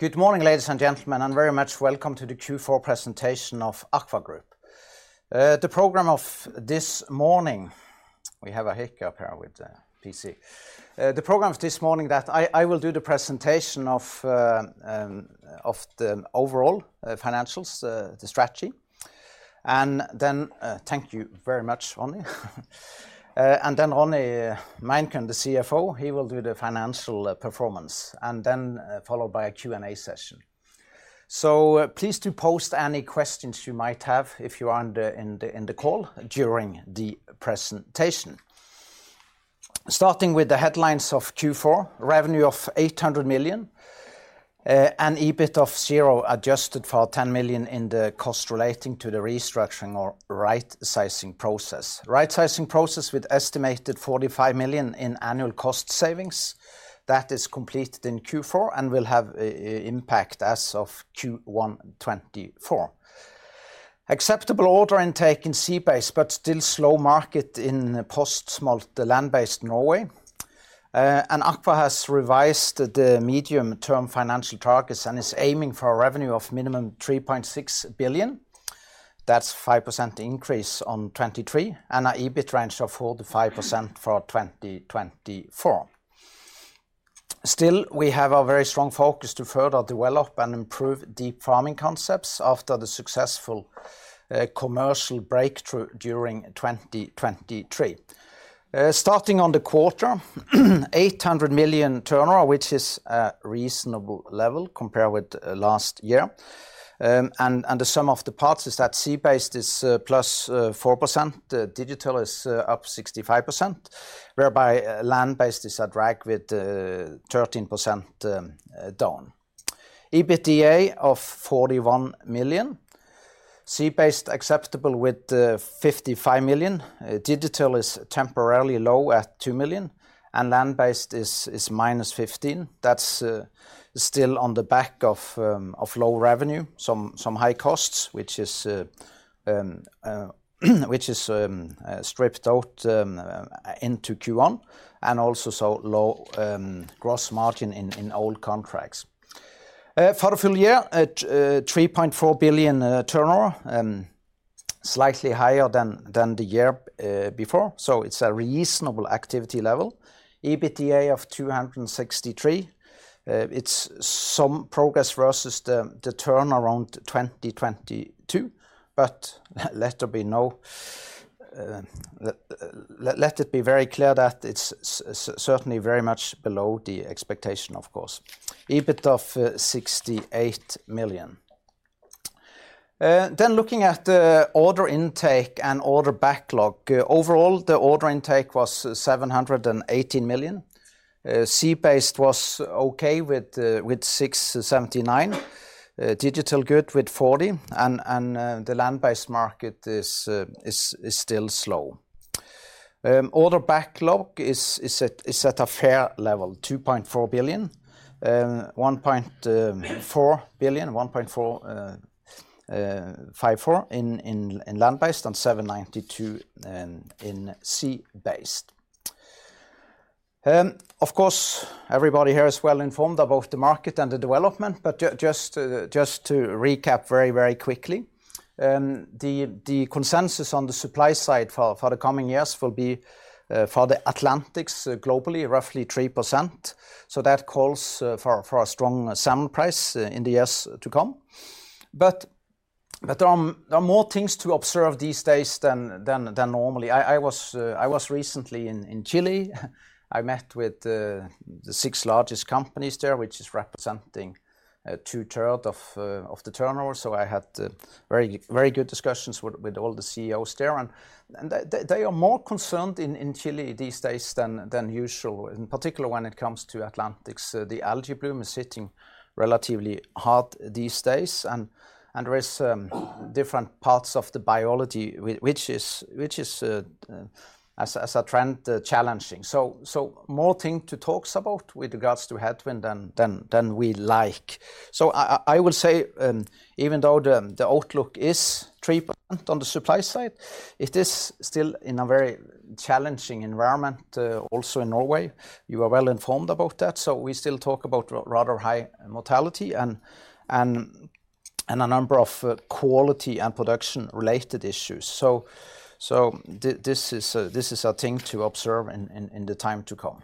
Good morning, ladies and gentlemen, and very much welcome to the Q4 presentation of AKVA Group. The program this morning that I will do the presentation of the overall financials, the strategy, and then... Thank you very much, Ronny. And then Ronny Meinkøhn, the CFO, he will do the financial performance, and then followed by a Q&A session. So please do post any questions you might have if you are on the call during the presentation. Starting with the headlines of Q4, revenue of 800 million and EBIT of 0, adjusted for 10 million in the cost relating to the restructuring or rightsizing process. Rightsizing process, with estimated 45 million in annual cost savings. That is completed in Q4 and will have impact as of Q1 2024. Acceptable order intake in Sea Based, but still slow market in post-smolt, the Land based Norway. AKVA has revised the medium-term financial targets and is aiming for a revenue of minimum 3.6 billion. That's 5% increase on 2023, and a EBIT range of 4%-5% for 2024. Still, we have a very strong focus to further develop and improve deep farming concepts after the successful commercial breakthrough during 2023. Starting on the quarter, 800 million turnover, which is a reasonable level compared with last year. And the sum of the parts is that Sea Based is +4%. Digital is up 65%, whereby Land Based is arriving with 13% down. EBITDA of 41 million. Sea Based acceptable with 55 million. Digital is temporarily low at 2 million, and Land Based is minus 15. That's still on the back of low revenue, some high costs, which is stripped out into Q1, and also low gross margin in old contracts. For the full year, at 3.4 billion turnover, slightly higher than the year before, so it's a reasonable activity level. EBITDA of 263. It's some progress versus the turnaround 2022, but let it be very clear that it's certainly very much below the expectation, of course. EBIT of 68 million. Then looking at the order intake and order backlog, overall, the order intake was 718 million. Sea Based was okay with 679 million. Digital good with 40 million, and the Land based market is still slow. Order backlog is at a fair level, 2.4 billion. 1.4 billion in Land Based, and 792 million in Sea Based. Of course, everybody here is well informed about the market and the development, but just to recap very quickly, the consensus on the supply side for the coming years will be for the Atlantics, globally, roughly 3%. So that calls for a strong salmon price in the years to come. But there are more things to observe these days than normally. I was recently in Chile. I met with the 6 largest companies there, which is representing two-thirds of the turnover. So I had very, very good discussions with all the CEOs there, and they are more concerned in Chile these days than usual, in particular, when it comes to Atlantics. The algae bloom is hitting relatively hard these days, and there is different parts of the biology, which is, as a trend, challenging. So more things to talk about with regards to headwind than we like. So I will say, even though the outlook is 3% on the supply side, it is still in a very challenging environment also in Norway. You are well informed about that, so we still talk about rather high mortality and a number of quality and production-related issues. So this is a thing to observe in the time to come.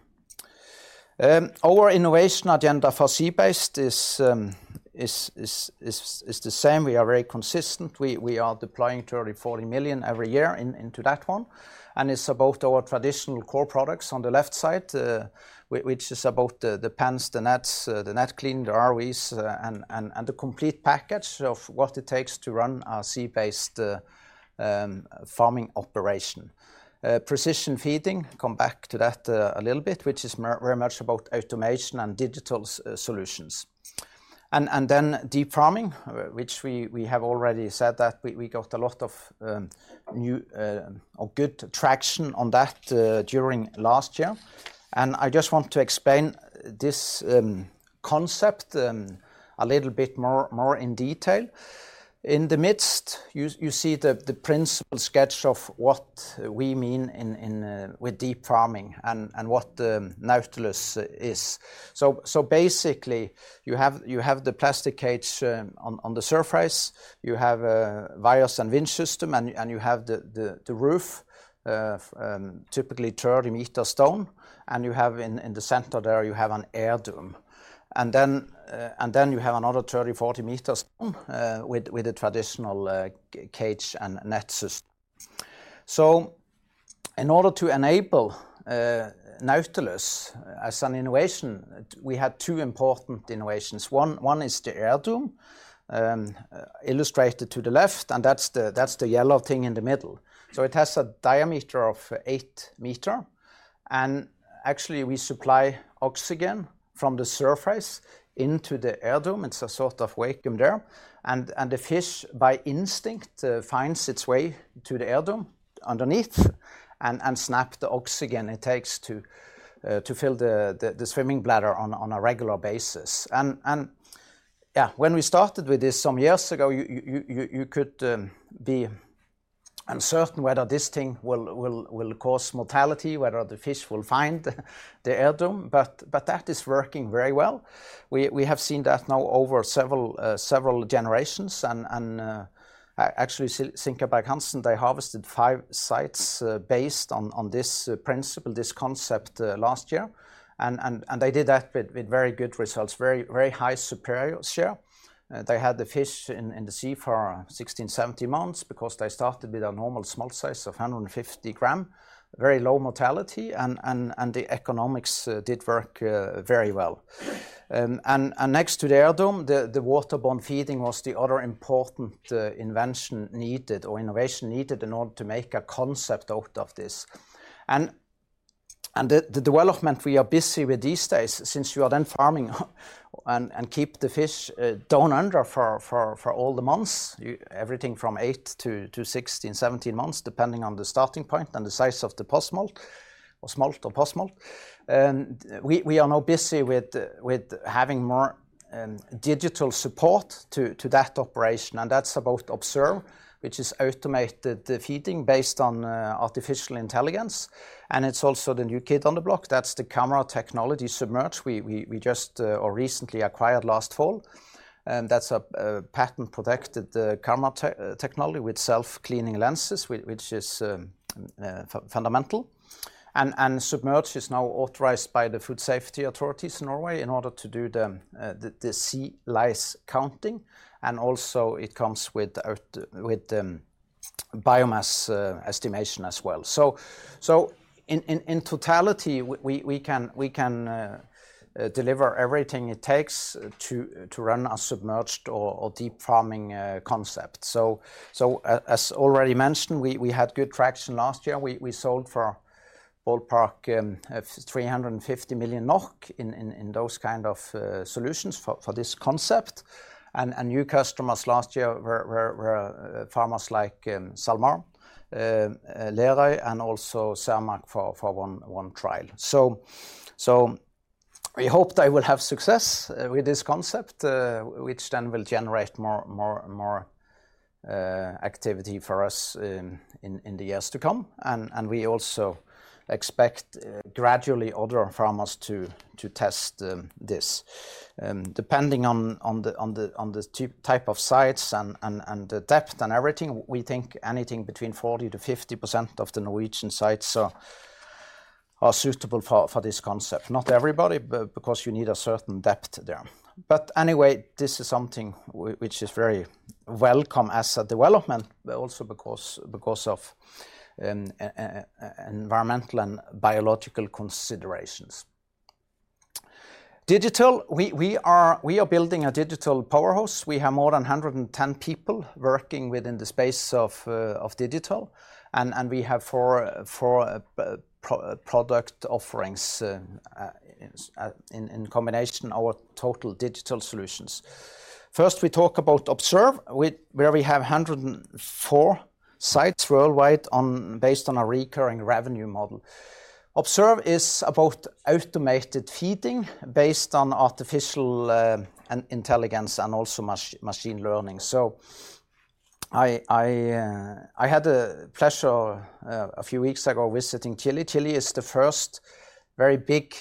Our innovation agenda for Sea Based is the same. We are very consistent. We are deploying 30 million-40 million every year into that one, and it's about our traditional core products on the left side, which is about the pens, the nets, the net clean, the ROVs, and the complete package of what it takes to run our Sea Based farming operation. Precision feeding, come back to that a little bit, which is very much about automation and digital solutions. And then deep farming, which we have already said that we got a lot of new or good traction on that during last year. And I just want to explain this concept a little bit more in detail. In the midst, you see the principle sketch of what we mean in with deep farming and what Nautilus is. So basically, you have the plastic cage on the surface, you have a wires and winch system, and you have the roof typically 30 meters down, and you have in the center there an air dome. And then you have another 30-40 meters with a traditional cage and net system. So in order to enable Nautilus as an innovation, we had two important innovations. One is the air dome, illustrated to the left, and that's the yellow thing in the middle. So it has a diameter of 8 meters, and actually, we supply oxygen from the surface into the air dome. It's a sort of vacuum there, and the fish, by instinct, finds its way to the air dome underneath and snap the oxygen it takes to fill the swimming bladder on a regular basis. And yeah, when we started with this some years ago, you could be uncertain whether this thing will cause mortality, whether the fish will find the air dome, but that is working very well. We have seen that now over several generations, and actually, Sinkaberg-Hansen, they harvested five sites based on this principle, this concept, last year. They did that with very good results, very high superior share. They had the fish in the sea for 16-17 months because they started with a normal small size of 150 grams, very low mortality, and the economics did work very well. Next to the air dome, the waterborne feeding was the other important invention needed or innovation needed in order to make a concept out of this. The development we are busy with these days, since you are then farming and keep the fish down under for all the months, everything from eight-16, 17 months, depending on the starting point and the size of the post-smolt or smolt or post-smolt. We are now busy with having more digital support to that operation, and that's about Observe, which is automated feeding based on artificial intelligence, and it's also the new kid on the block. That's the camera technology submerged. We just or recently acquired last fall, and that's a patent-protected camera technology with self-cleaning lenses, which is fundamental. Submerged is now authorized by the food safety authorities in Norway in order to do the sea lice counting, and also it comes with biomass estimation as well. So in totality, we can deliver everything it takes to run a submerged or deep farming concept. As already mentioned, we had good traction last year. We sold for ballpark 350 million NOK in those kind of solutions for this concept. New customers last year were farmers like SalMar, Lerøy, and also Grieg for one trial. So we hope they will have success with this concept, which then will generate more activity for us in the years to come. And we also expect gradually other farmers to test this. Depending on the type of sites and the depth and everything, we think anything between 40%-50% of the Norwegian sites are suitable for this concept. Not everybody, but because you need a certain depth there. But anyway, this is something which is very welcome as a development, but also because of environmental and biological considerations. Digital, we are building a digital powerhouse. We have more than 110 people working within the space of digital, and we have four product offerings in combination, our total digital solutions. First, we talk about Observe, where we have 104 sites worldwide based on a recurring revenue model. Observe is about automated feeding based on artificial intelligence and also machine learning. So I had the pleasure a few weeks ago visiting Chile. Chile is the first very big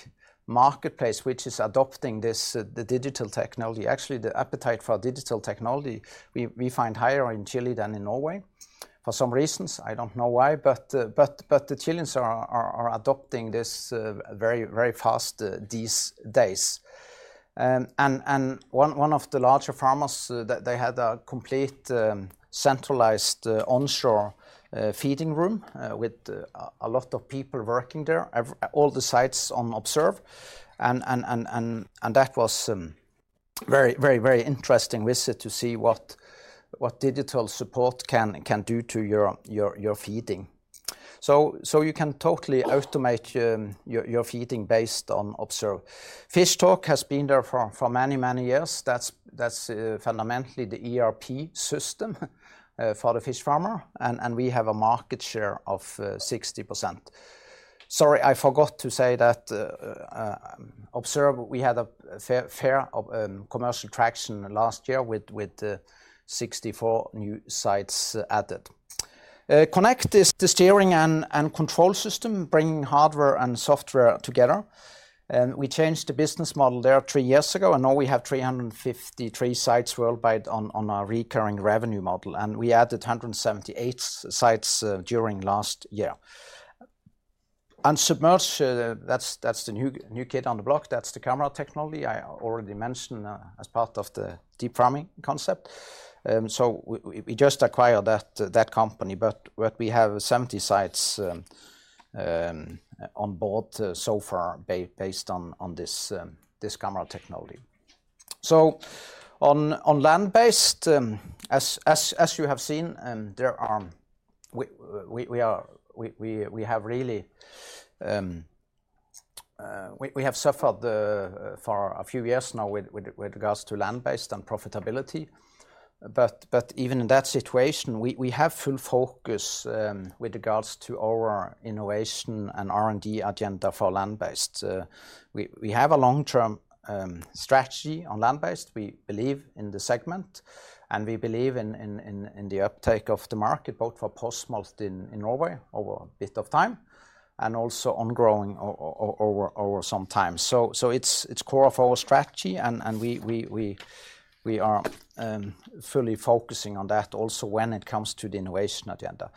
marketplace which is adopting this the digital technology. Actually, the appetite for digital technology, we find higher in Chile than in Norway. For some reasons, I don't know why, but the Chileans are adopting this very fast these days. And one of the larger farmers, they had a complete, centralized, onshore, feeding room, with a lot of people working there, all the sites on Observe. And that was a very, very, very interesting visit to see what digital support can do to your feeding. So you can totally automate your feeding based on Observe. Fishtalk has been there for many, many years. That's fundamentally the ERP system for the fish farmer, and we have a market share of 60%. Sorry, I forgot to say that, Observe, we had a fair, fair commercial traction last year with 64 new sites added. Connect is the steering and control system, bringing hardware and software together, and we changed the business model there three years ago, and now we have 353 sites worldwide on our recurring revenue model, and we added 178 sites during last year. And Submerged, that's the new kid on the block. That's the camera technology I already mentioned as part of the deep farming concept. So we just acquired that company, but we have 70 sites on board so far, based on this camera technology. So on land-based, as you have seen, we have really suffered for a few years now with regards to land-based and profitability. But even in that situation, we have full focus with regards to our innovation and R&D agenda for land-based. We have a long-term strategy on land-based. We believe in the segment, and we believe in the uptake of the market, both for post-smolt in Norway over a bit of time, and also on growing over some time. So it's core of our strategy, and we are fully focusing on that also when it comes to the innovation agenda.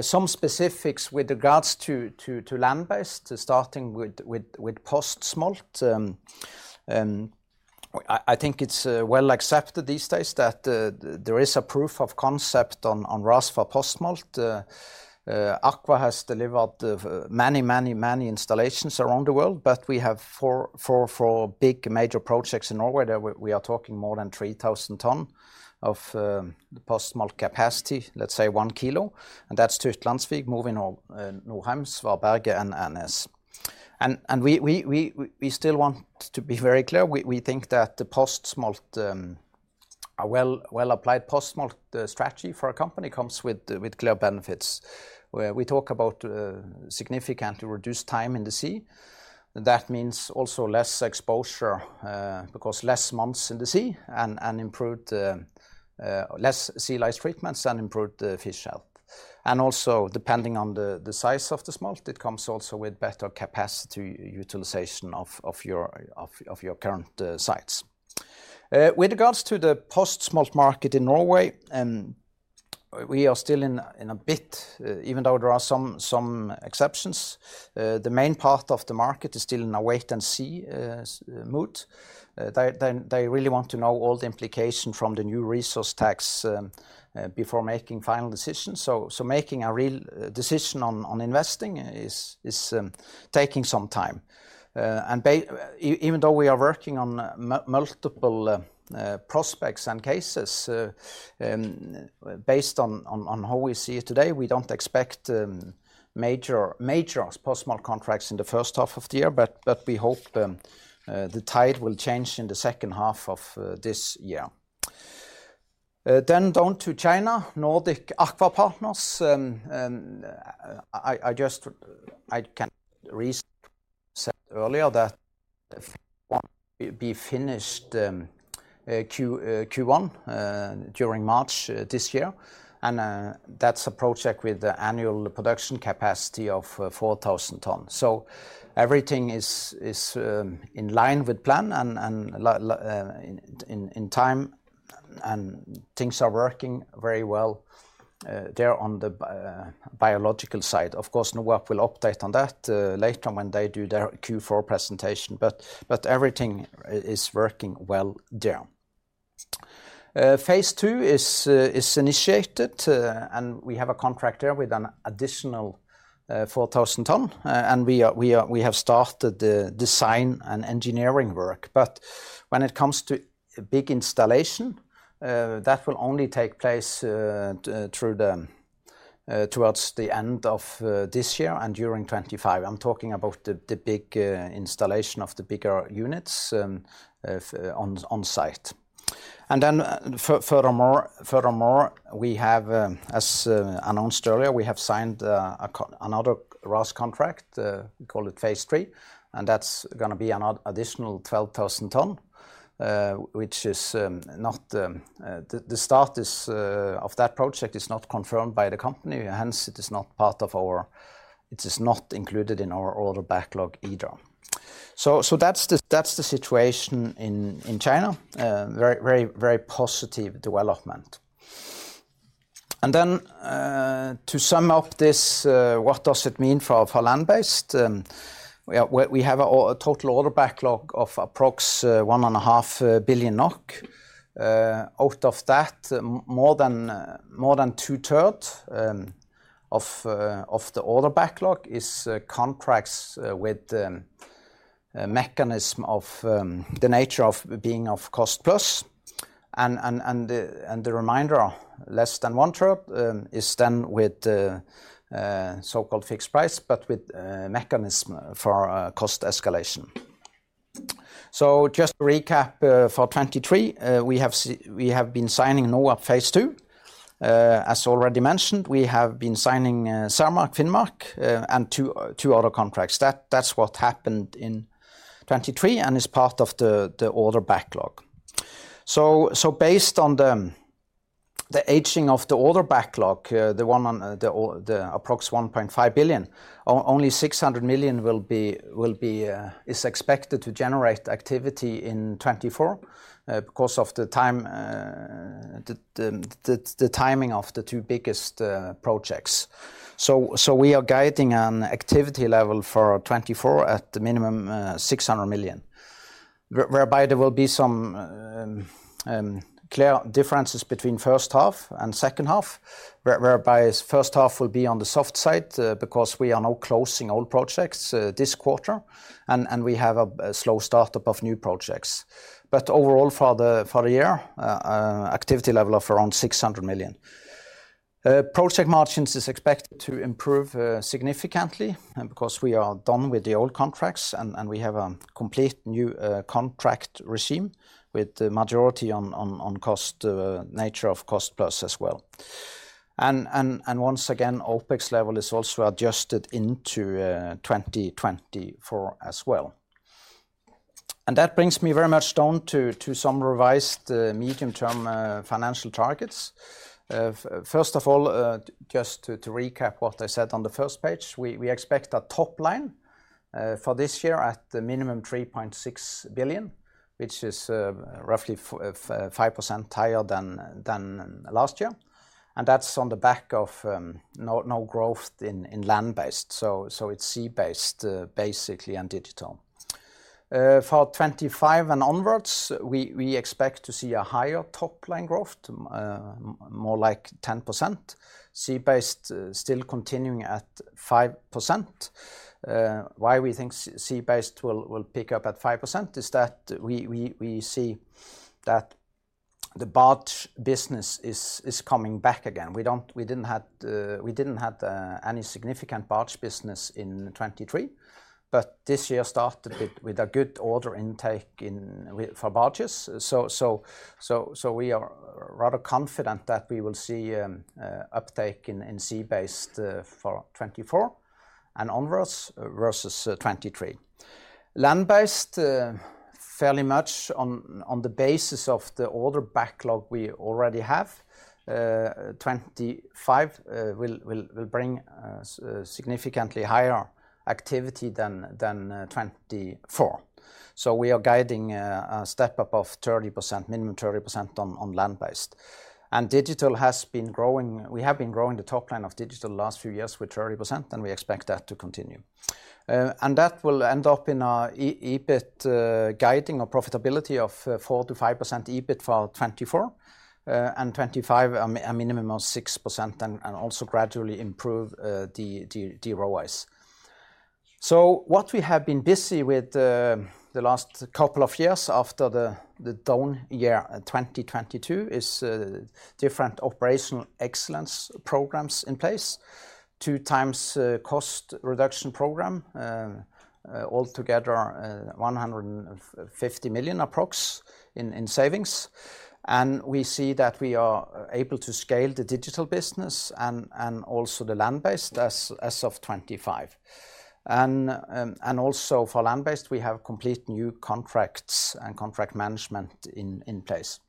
Some specifics with regards to land-based, starting with post-smolt. I think it's well accepted these days that there is a proof of concept on RAS for post-smolt. AKVA has delivered many installations around the world, but we have four big major projects in Norway that we are talking more than 3,000 ton of the post-smolt capacity, let's say one kilo, and that's Tyttlandsvik, Movik, Norheims, Varberg, and Annes. We still want to be very clear. We think that the post-smolt, a well-applied post-smolt strategy for a company comes with clear benefits. Where we talk about significantly reduced time in the sea, that means also less exposure because less months in the sea and improved less sea lice treatments and improved fish health. And also, depending on the size of the smolt, it comes also with better capacity utilization of your current sites. With regards to the post-smolt market in Norway, we are still in a bit even though there are some exceptions, the main part of the market is still in a wait-and-see mood. They really want to know all the implication from the new resource tax before making final decisions. So making a real decision on investing is taking some time. And even though we are working on multiple prospects and cases, based on how we see it today, we don't expect major post-smolt contracts in the first half of the year, but we hope the tide will change in the second half of this year. Then down to China, Nordic Aqua Partners, I just said earlier that phase one will be finished Q1 during March this year, and that's a project with the annual production capacity of 4,000 tons. So everything is in line with plan and in time, and things are working very well there on the biological side. Of course, Nordic Aqua Partners will update on that later on when they do their Q4 presentation, but everything is working well there. Phase two is initiated, and we have a contract there with an additional 4,000 ton, and we have started the design and engineering work. But when it comes to big installation, that will only take place towards the end of this year and during 2025. I'm talking about the big installation of the bigger units on site. And then furthermore, we have, as announced earlier, we have signed another RAS contract, we call it phase three, and that's gonna be an additional 12,000 ton, which is not. The status of that project is not confirmed by the company, hence it is not part of our—it is not included in our order backlog either. So that's the situation in China, very, very, very positive development. And then, to sum up this, what does it mean for land-based? We have a total order backlog of approximately 1.5 billion NOK. Out of that, more than two-thirds of the order backlog is contracts with a mechanism of the nature of being cost plus, and the remainder, less than one-third, is then with so-called fixed price, but with mechanism for cost escalation. So just to recap, for 2023, we have been signing NOAP Phase Two. As already mentioned, we have been signing SalMar Finnmark, and two other contracts. That's what happened in 2023, and is part of the order backlog. So based on the aging of the order backlog, the approx 1.5 billion, only 600 million is expected to generate activity in 2024, because of the timing of the two biggest projects. So we are guiding an activity level for 2024 at the minimum 600 million. Whereby there will be some clear differences between first half and second half, whereby first half will be on the soft side, because we are now closing old projects this quarter, and we have a slow start-up of new projects. But overall, for the year, activity level of around 600 million. Project margins is expected to improve significantly, because we are done with the old contracts, and we have a complete new contract regime with the majority on cost nature of cost plus as well. And once again, OpEx level is also adjusted into 2024 as well. And that brings me very much down to some revised medium-term financial targets. First of all, just to recap what I said on the first page, we expect a top line for this year at the minimum 3.6 billion, which is roughly 5% higher than last year, and that's on the back of no growth in land-based. So it's sea-based basically, and digital. For 2025 and onwards, we expect to see a higher top-line growth more like 10%. Sea-based still continuing at 5%. Why we think sea-based will pick up at 5% is that we see that the barge business is coming back again. We didn't have any significant barge business in 2023, but this year started with a good order intake for barges. So we are rather confident that we will see uptake in Sea-based for 2024 and onwards, versus 2023. Land Based, fairly much on the basis of the order backlog we already have, 2025 will bring significantly higher activity than 2024. So we are guiding a step-up of 30%, minimum 30% on Land Based. And Digital has been growing. We have been growing the top line of Digital the last few years with 30%, and we expect that to continue. And that will end up in our EBIT, guiding our profitability of 4%-5% EBIT for 2024 and 2025, a minimum of 6%, and also gradually improve the ROIs. So what we have been busy with the last couple of years after the down year 2022 is different operational excellence programs in place, two cost reduction programs, altogether 150 million approx. in savings. And we see that we are able to scale the digital business and also the land-based as of 2025. And also for land-based, we have completely new contracts and contract management in place.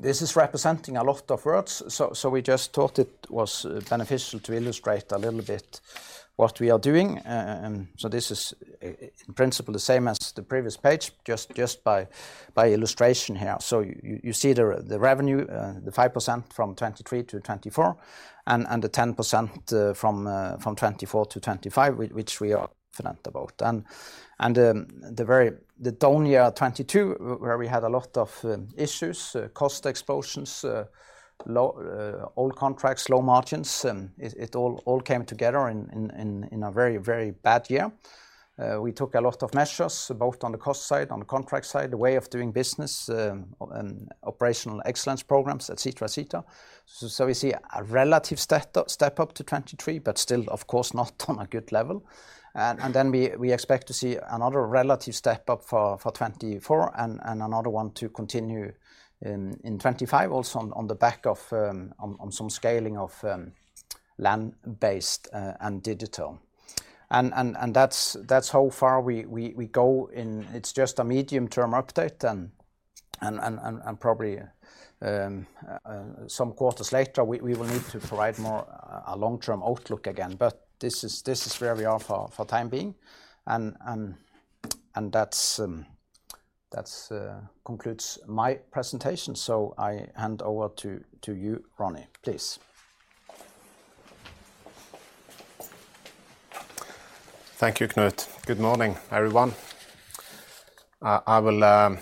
This is representing a lot of work, so we just thought it was beneficial to illustrate a little bit what we are doing. So this is, in principle, the same as the previous page, just by illustration here. You see the revenue, the 5% from 2023-2024, and the 10% from 2024-2025, which we are confident about. And the very down year, 2022, where we had a lot of issues, cost explosions, low old contracts, low margins, it all came together in a very, very bad year. We took a lot of measures, both on the cost side, on the contract side, the way of doing business, and operational excellence programs, et cetera, et cetera. So we see a relative step up to 2023, but still, of course, not on a good level. And then we expect to see another relative step up for 2024 and another one to continue in 2025, also on the back of some scaling of land-based and digital. And that's how far we go in. It's just a medium-term update, and probably some quarters later, we will need to provide more a long-term outlook again. But this is where we are for time being. And that concludes my presentation, so I hand over to you, Ronny, please. Thank you, Knut. Good morning, everyone. I will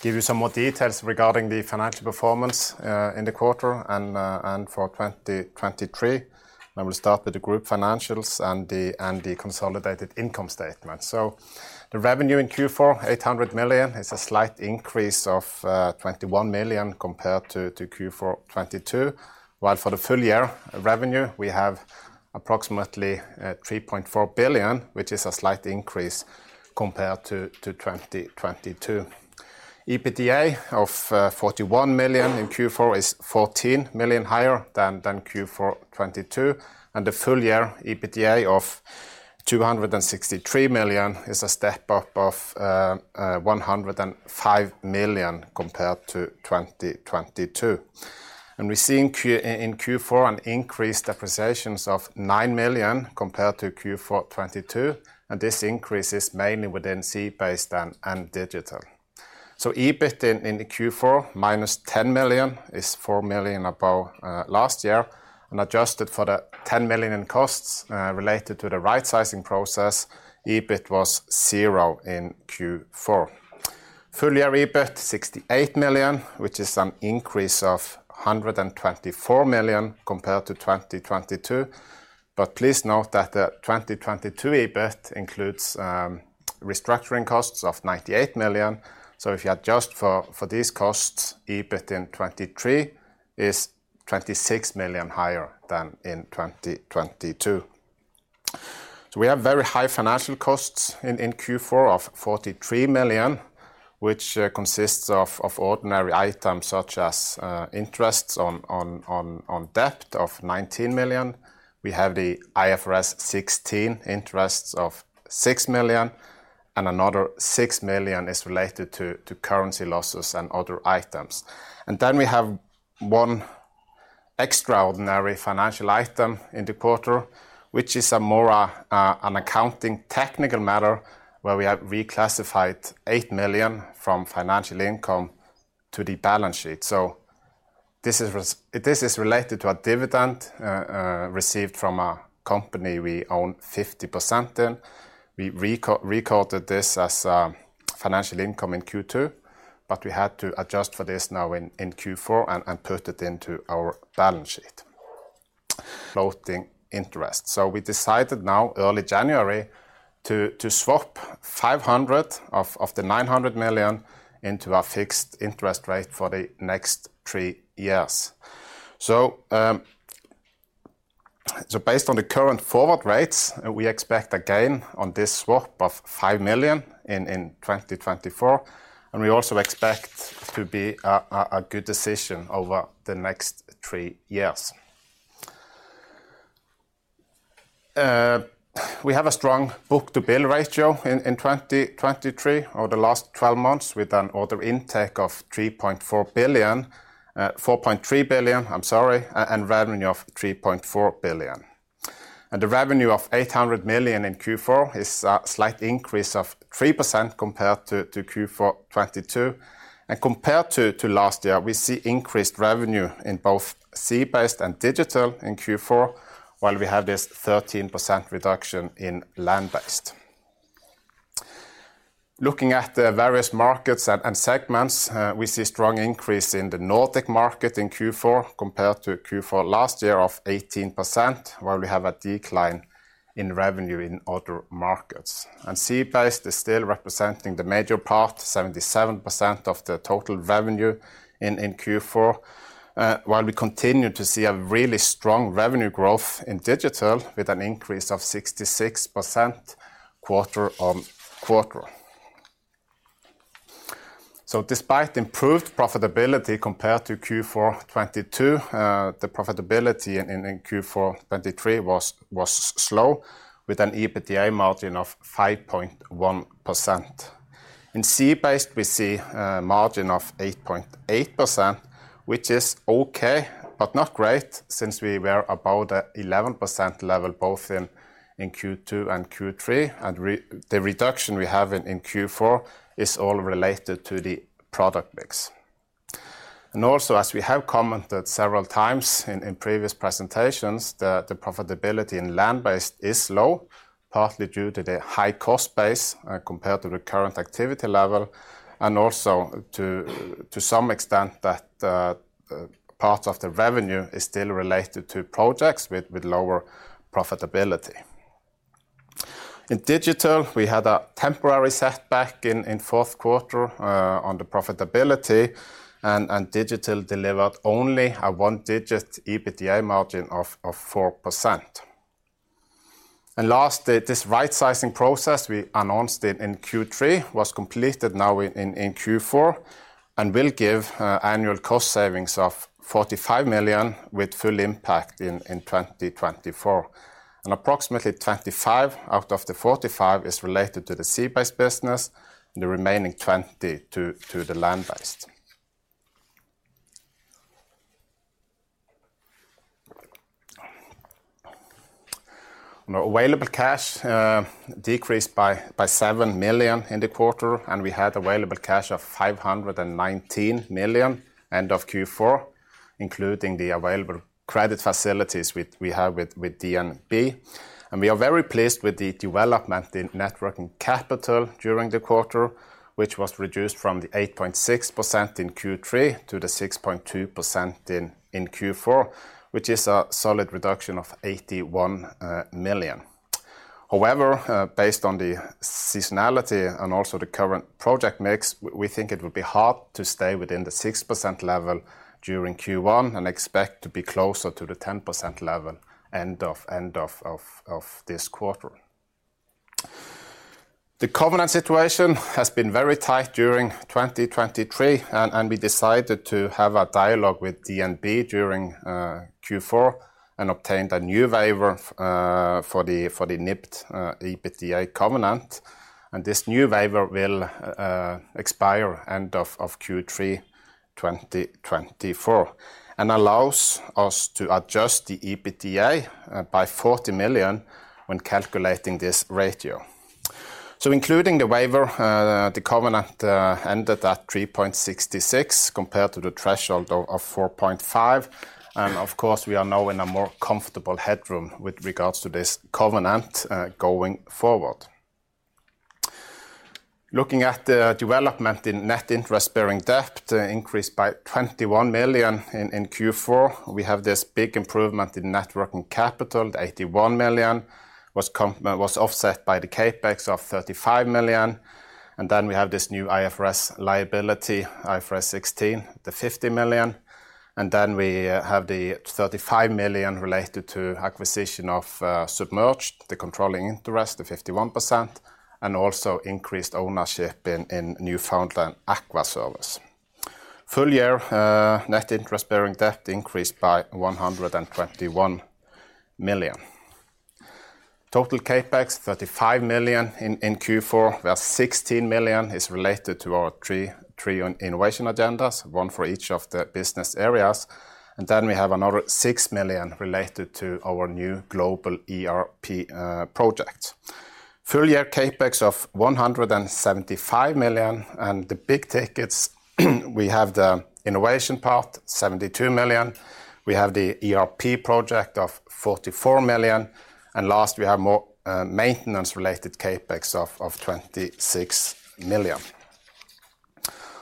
give you some more details regarding the financial performance in the quarter and for 2023. I will start with the group financials and the consolidated income statement. So the revenue in Q4, 800 million, is a slight increase of 21 million compared to Q4 2022, while for the full year revenue, we have approximately 3.4 billion, which is a slight increase compared to 2022. EBITDA of 41 million in Q4 is 14 million higher than Q4 2022, and the full-year EBITDA of 263 million is a step-up of 105 million compared to 2022. We see in Q4 an increased depreciations of 9 million compared to Q4 2022, and this increase is mainly within Sea Based and Digital. So EBIT in Q4, -10 million, is 4 million above last year, and adjusted for the 10 million in costs related to the rightsizing process, EBIT was zero in Q4. Full-year EBIT, 68 million, which is an increase of 124 million compared to 2022. But please note that the 2022 EBIT includes restructuring costs of 98 million. So if you adjust for these costs, EBIT in 2023 is 26 million higher than in 2022. So we have very high financial costs in Q4 of 43 million, which consists of ordinary items, such as interests on debt of 19 million. We have the IFRS 16 interests of 6 million, and another 6 million is related to currency losses and other items. And then we have one extraordinary financial item in the quarter, which is a more, an accounting technical matter, where we have reclassified 8 million from financial income to the balance sheet. So this is related to a dividend received from a company we own 50% in. We recoded this as financial income in Q2, but we had to adjust for this now in Q4 and put it into our balance sheet. Floating interest, so we decided now, early January, to swap 500 million of the 900 million into a fixed interest rate for the next three years. So based on the current forward rates, we expect a gain on this swap of 5 million in 2024, and we also expect to be a good decision over the next three years. We have a strong book-to-bill ratio in 2023, or the last 12 months, with an order intake of 3.4 billion, uh, 4.3 billion, I'm sorry, and revenue of 3.4 billion. The revenue of 800 million in Q4 is a slight increase of 3% compared to Q4 2022. Compared to last year, we see increased revenue in both Sea Based and Digital in Q4, while we have this 13% reduction in Land Based. Looking at the various markets and segments, we see strong increase in the Nordic market in Q4 compared to Q4 last year of 18%, while we have a decline in revenue in other markets. Sea Based is still representing the major part, 77% of the total revenue in Q4, while we continue to see a really strong revenue growth in Digital with an increase of 66% quarter-on-quarter. Despite improved profitability compared to Q4 2022, the profitability in Q4 2023 was slow, with an EBITDA margin of 5.1%. In Sea Based, we see a margin of 8.8%, which is okay, but not great, since we were about at 11% level, both in Q2 and Q3, and the reduction we have in Q4 is all related to the product mix. And also, as we have commented several times in previous presentations, the profitability in Land Based is low, partly due to the high-cost base compared to the current activity level, and also to some extent, that part of the revenue is still related to projects with lower profitability. In Digital, we had a temporary setback in fourth quarter on the profitability, and Digital delivered only a one-digit EBITDA margin of 4%. Last, this rightsizing process we announced in Q3 was completed now in Q4 and will give annual cost savings of 45 million with full impact in 2024. Approximately 25 out of the 45 is related to the Sea Based business, and the remaining 20 to the Land Based. On available cash decreased by 7 million in the quarter, and we had available cash of 519 million end of Q4, including the available credit facilities with DNB. We are very pleased with the development in net working capital during the quarter, which was reduced from the 8.6% in Q3 to the 6.2% in Q4, which is a solid reduction of 81 million. However, based on the seasonality and also the current project mix, we think it would be hard to stay within the 6% level during Q1 and expect to be closer to the 10% level end of this quarter. The covenant situation has been very tight during 2023, and we decided to have a dialogue with DNB during Q4 and obtained a new waiver for the NIBD EBITDA covenant. This new waiver will expire end of Q3 2024, and allows us to adjust the EBITDA by 40 million when calculating this ratio. So including the waiver, the covenant ended at 3.66, compared to the threshold of 4.5. Of course, we are now in a more comfortable headroom with regards to this covenant, going forward. Looking at the development in net interest-bearing debt increased by 21 million in Q4. We have this big improvement in net working capital. The 81 million was offset by the CapEx of 35 million, and then we have this new IFRS 16 liability, the 50 million, and then we have the 35 million related to acquisition of Submerged, the controlling interest, the 51%, and also increased ownership in Newfoundland Aqua Service. Full year, net interest-bearing debt increased by 121 million. Total CapEx, 35 million in Q4, where 16 million is related to our three innovation agendas, one for each of the business areas, and then we have another six million related to our new global ERP project. Full year CapEx of 175 million, and the big tickets, we have the innovation part, 72 million. We have the ERP project of 44 million, and last, we have more maintenance-related CapEx of 26 million.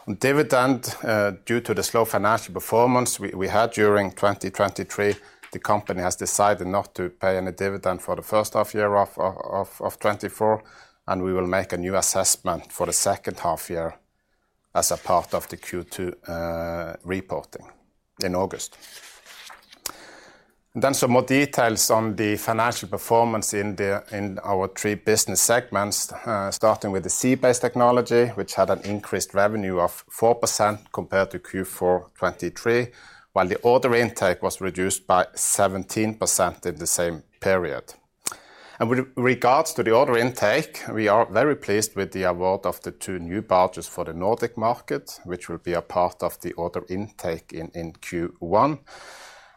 On dividend, due to the slow financial performance we had during 2023, the company has decided not to pay any dividend for the first half year of 2024, and we will make a new assessment for the second half year as a part of the Q2 reporting in August. Then some more details on the financial performance in our three business segments, starting with the Sea Based Technology, which had an increased revenue of 4% compared to Q4 2023, while the order intake was reduced by 17% in the same period. With regards to the order intake, we are very pleased with the award of the two new barges for the Nordic market, which will be a part of the order intake in Q1.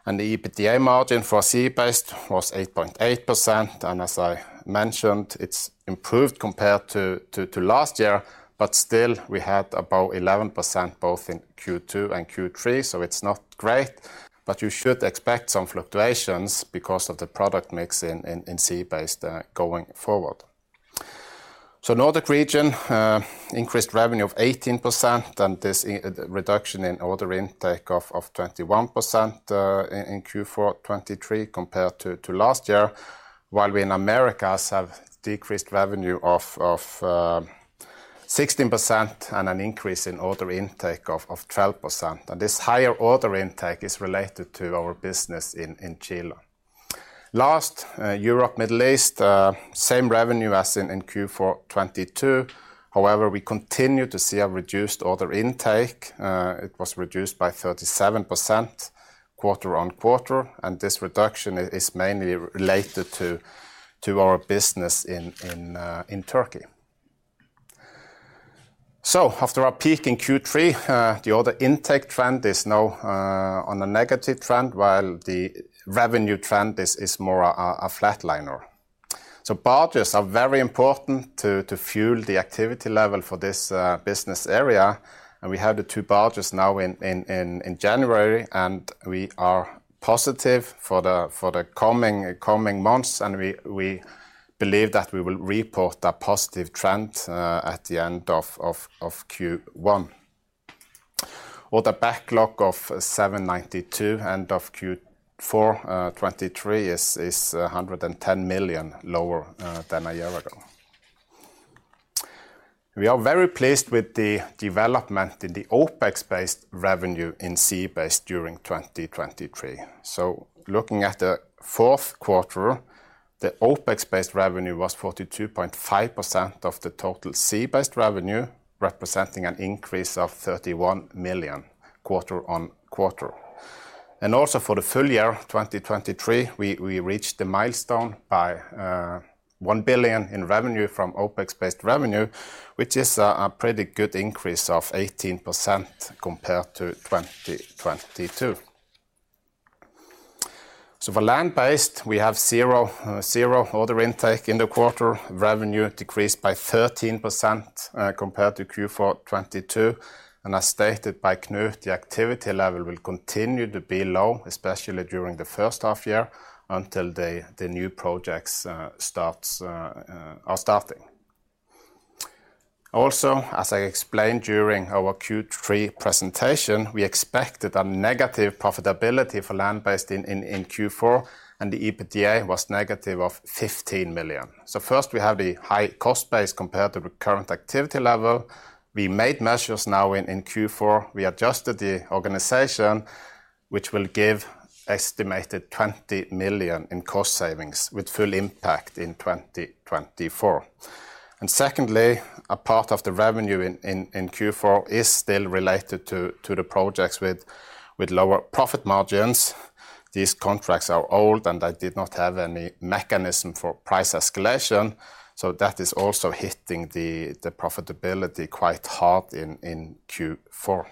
The EBITDA margin for Sea Based was 8.8%, and as I mentioned, it's improved compared to last year, but still, we had about 11% both in Q2 and Q3, so it's not great, but you should expect some fluctuations because of the product mix in Sea Based going forward. So Nordic region, increased revenue of 18%, and this reduction in order intake of 21% in Q4 2023 compared to last year, while we in Americas have decreased revenue of 16% and an increase in order intake of 12%. And this higher order intake is related to our business in Chile. Last, Europe, Middle East, same revenue as in Q4 2022. However, we continue to see a reduced order intake. It was reduced by 37% quarter-over-quarter, and this reduction is mainly related to our business in Turkey. So after our peak in Q3, the order intake trend is now on a negative trend, while the revenue trend is more a flatliner. So barges are very important to fuel the activity level for this business area, and we have the two barges now in January, and we are positive for the coming months, and we believe that we will report a positive trend at the end of Q1. Well, the backlog of 792 million, end of Q4 2023, is 110 million lower than a year ago. We are very pleased with the development in the OpEx-based revenue in Sea Based during 2023. So looking at the fourth quarter, the OpEx-based revenue was 42.5% of the total Sea Based revenue, representing an increase of 31 million quarter-on-quarter. Also for the full year of 2023, we reached the milestone by 1 billion in revenue from OpEx-based revenue, which is a pretty good increase of 18% compared to 2022. For Land Based, we have 0 order intake in the quarter. Revenue decreased by 13%, compared to Q4 2022, and as stated by Knut, the activity level will continue to be low, especially during the first half year, until the new projects starts are starting. Also, as I explained during our Q3 presentation, we expected a negative profitability for Land Based in Q4, and the EBITDA was negative 15 million. First, we have the high cost base compared to the current activity level. We made measures now in Q4. We adjusted the organization. which will give estimated 20 million in cost savings, with full impact in 2024. Secondly, a part of the revenue in Q4 is still related to the projects with lower profit margins. These contracts are old, and they did not have any mechanism for price escalation, so that is also hitting the profitability quite hard in Q4.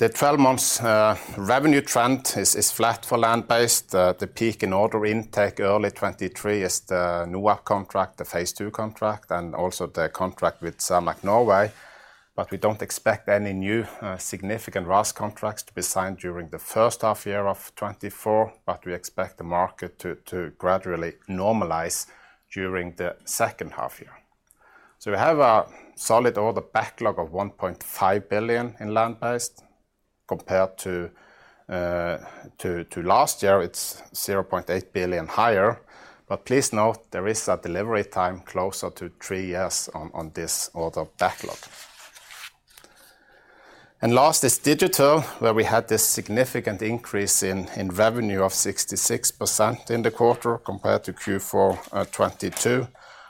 The 12-month revenue trend is flat for Land-Based. The peak in order intake early 2023 is the new contract, the phase two contract, and also the contract with SalMar Norway. But we don't expect any new significant RAS contracts to be signed during the first half year of 2024, but we expect the market to gradually normalize during the second half year. So we have a solid order backlog of 1.5 billion in Land-Based, compared to last year, it's 0.8 billion higher. But please note, there is a delivery time closer to three years on this order backlog. And last is Digital, where we had this significant increase in revenue of 66% in the quarter, compared to Q4 2022.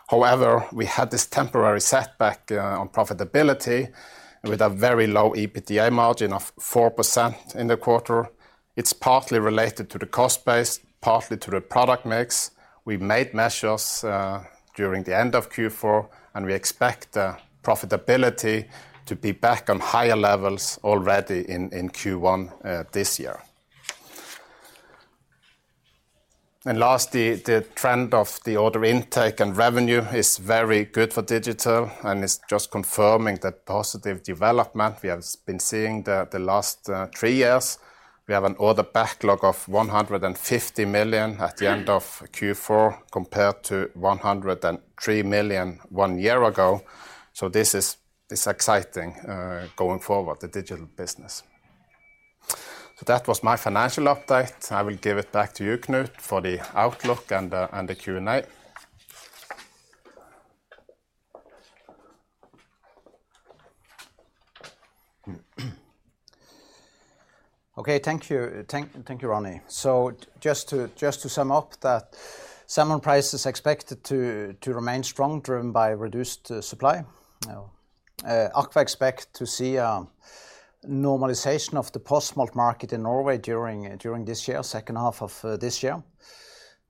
However, we had this temporary setback on profitability, with a very low EBITDA margin of 4% in the quarter. It's partly related to the cost base, partly to the product mix. We've made measures during the end of Q4, and we expect the profitability to be back on higher levels already in Q1 this year. Last, the trend of the order intake and revenue is very good for digital, and it's just confirming the positive development we have been seeing the last three years. We have an order backlog of 150 million at the end of Q4, compared to 103 million one year ago. This is exciting going forward, the digital business. That was my financial update. I will give it back to you, Knut, for the outlook and the Q&A. Okay, thank you. Thank you, Ronny. Just to sum up, that salmon price is expected to remain strong, driven by reduced supply. Now, AKVA group expects to see a normalization of the post-smolt market in Norway during this year, second half of this year.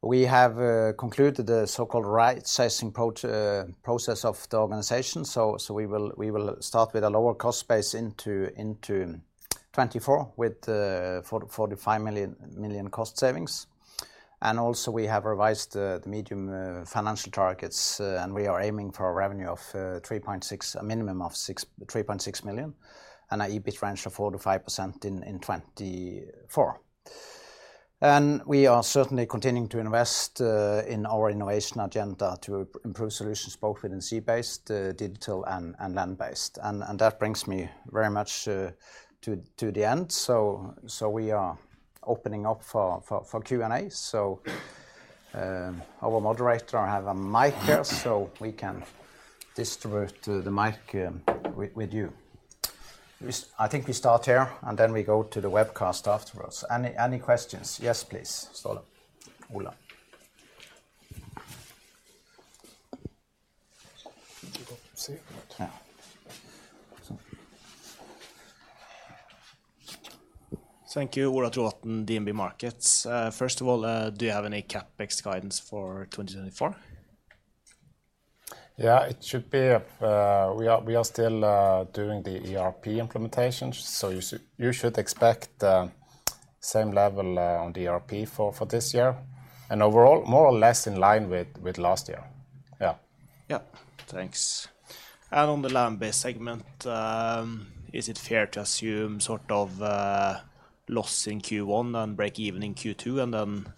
We have concluded the so-called right-sizing process of the organization, so we will start with a lower cost base into 2024, with 44-45 million cost savings. Also, we have revised the medium financial targets, and we are aiming for a revenue of a minimum of 3.6 billion, and an EBIT range of 4%-5% in 2024. And we are certainly continuing to invest in our innovation agenda to improve solutions, both within Sea Based, Digital, and Land-Based. And that brings me very much to the end. So we are opening up for Q&A. So, our moderator, I have a mic here, so we can distribute the mic with you. I think we start here, and then we go to the webcast afterwards. Any questions? Yes, please, Ola. Ola. You want to see? Yeah. Thank you. Ola Trovatn, DNB Markets. First of all, do you have any CapEx guidance for 2024? Yeah, it should be... We are still doing the ERP implementation, so you should expect same level on the ERP for this year, and overall, more or less in line with last year. Yeah. Yeah. Thanks. And on the Land-Based segment, is it fair to assume sort of loss in Q1 and break even in Q2, and then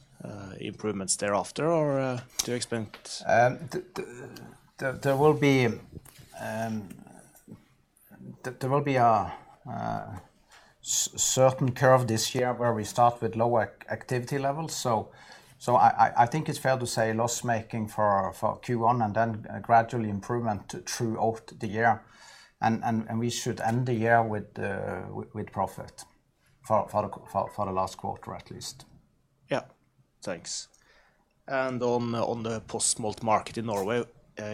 improvements thereafter, or do you expect? There will be a certain curve this year, where we start with lower activity levels. So I think it's fair to say loss-making for Q1, and then gradually improvement throughout the year, and we should end the year with profit for the last quarter at least. Yeah. Thanks. And on the post-smolt market in Norway,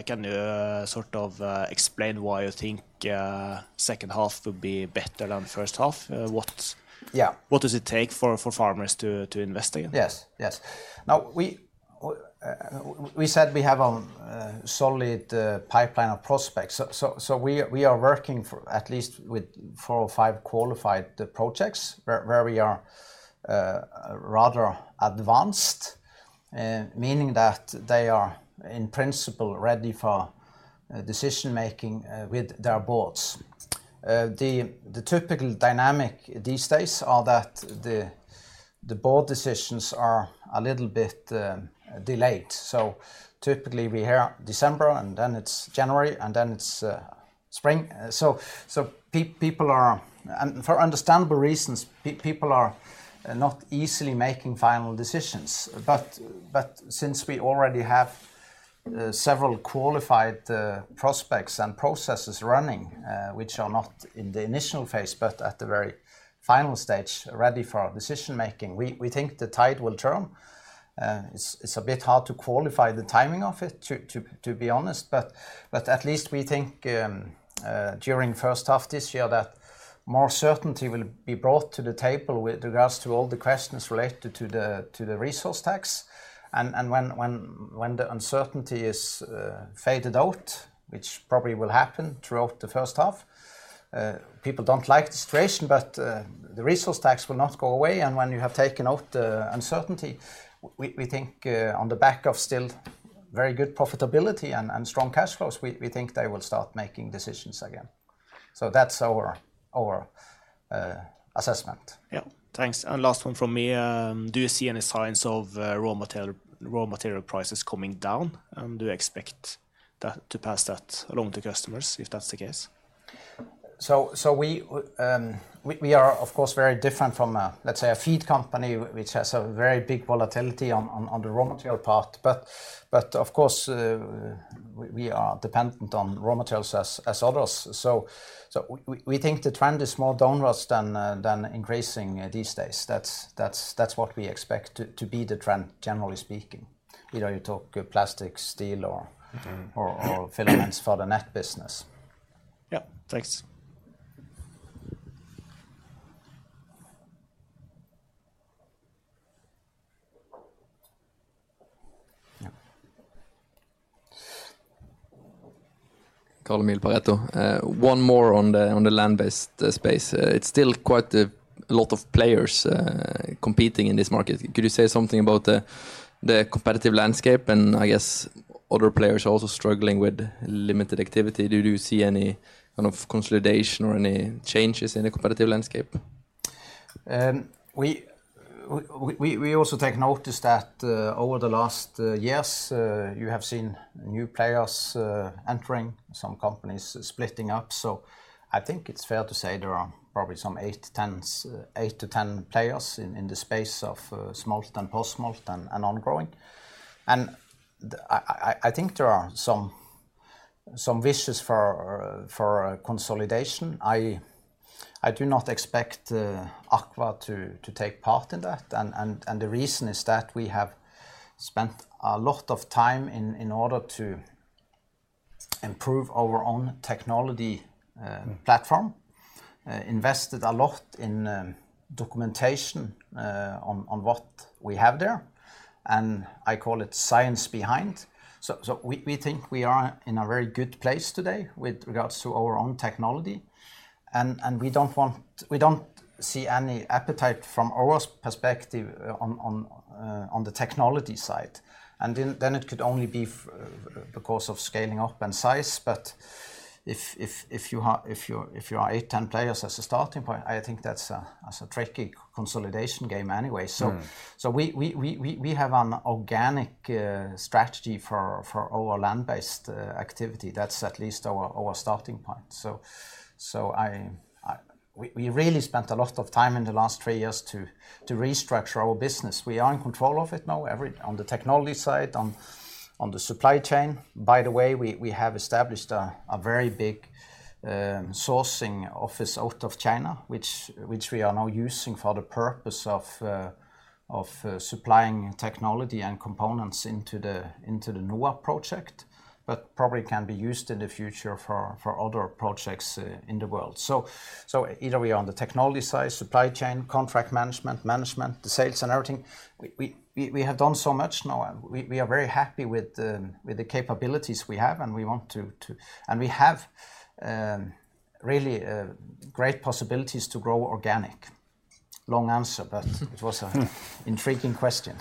can you sort of explain why you think second half will be better than first half? What- Yeah. What does it take for farmers to invest again? Yes, yes. Now, we said we have a solid pipeline of prospects. So, we are working for at least with four or five qualified projects, where we are rather advanced, meaning that they are, in principle, ready for decision-making with their boards. The typical dynamic these days are that the board decisions are a little bit delayed. So typically, we hear December, and then it's January, and then it's spring. So people are... And for understandable reasons, people are not easily making final decisions. But since we already have several qualified prospects and processes running, which are not in the initial phase, but at the very final stage, ready for decision-making. We think the tide will turn. It's a bit hard to qualify the timing of it, to be honest, but at least we think, during first half this year, that more certainty will be brought to the table with regards to all the questions related to the resource tax. And when the uncertainty is faded out, which probably will happen throughout the first half, people don't like the situation, but the resource tax will not go away, and when you have taken out the uncertainty, we think, on the back of still very good profitability and strong cash flows, we think they will start making decisions again. So that's our assessment. Yeah. Thanks, and last one from me. Do you see any signs of raw material, raw material prices coming down? And do you expect that to pass that along to customers, if that's the case? So we are, of course, very different from a, let's say, a feed company, which has a very big volatility on the raw material part. But of course, we are dependent on raw materials as others. So we think the trend is more downwards than increasing these days. That's what we expect to be the trend, generally speaking, whether you talk plastic, steel or- Mm-hmm... or filaments for the net business. Yeah, thanks. Yeah. One more on the, on the land-based space. It's still quite a lot of players competing in this market. Could you say something about the, the competitive landscape, and I guess other players are also struggling with limited activity? Do you see any kind of consolidation or any changes in the competitive landscape? We also take notice that over the last years you have seen new players entering, some companies splitting up. So I think it's fair to say there are probably eight-10 players in the space of smolt and post-smolt and ongoing. And the... I think there are some wishes for a consolidation. I do not expect AKVA to take part in that, and the reason is that we have spent a lot of time in order to improve our own technology platform, invested a lot in documentation on what we have there, and I call it science behind. So we think we are in a very good place today with regards to our own technology, and we don't want. We don't see any appetite from our perspective on the technology side, and then it could only be because of scaling up and size. But if you are eight, 10 players as a starting point, I think that's a tricky consolidation game anyway. Mm. So, we have an organic strategy for our land-based activity. That's at least our starting point. So, we really spent a lot of time in the last three years to restructure our business. We are in control of it now, on the technology side, on the supply chain. By the way, we have established a very big sourcing office out of China, which we are now using for the purpose of supplying technology and components into the NOAP project, but probably can be used in the future for other projects in the world. So either way, on the technology side, supply chain, contract management, management, the sales and everything, we have done so much now, and we are very happy with the capabilities we have, and we want to... And we have really great possibilities to grow organic. Long answer... but it was an intriguing question.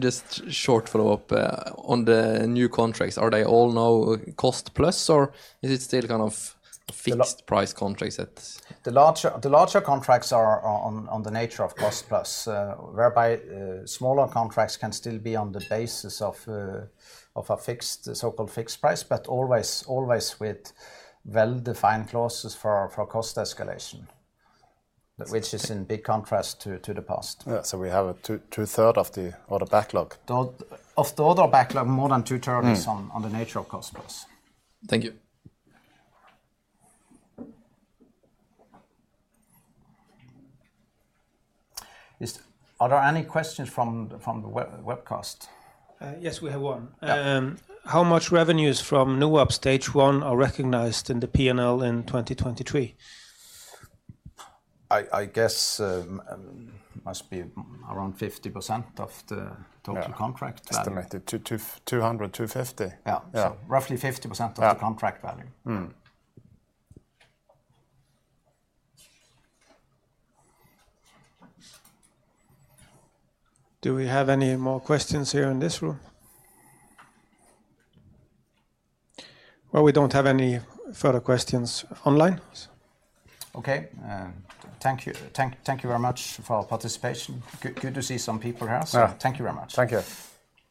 Just short follow-up on the new contracts: are they all now cost plus, or is it still kind of- The l-... fixed price contracts that's- The larger contracts are on the nature of cost plus, whereby smaller contracts can still be on the basis of a fixed, so-called fixed price, but always with well-defined clauses for cost escalation, which is in big contrast to the past. Yeah, so we have a two-thirds of the order backlog. Of the order backlog, more than two-thirds Mm... is on the nature of cost plus. Thank you. Are there any questions from the webcast? Yes, we have one. Yeah. How much revenues from NOAP stage one are recognized in the P&L in 2023? I guess must be around 50% of the- Yeah... total contract value. Estimated 200-250. Yeah. Yeah. Roughly 50% of the contract value. Mm. Do we have any more questions here in this room? Well, we don't have any further questions online. Okay, thank you. Thank you very much for your participation. Good to see some people here, so- Yeah... Thank you very much. Thank you.